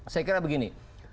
saya kira begini